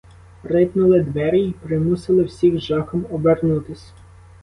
Рипнули двері й примусили всіх з жахом обернутись.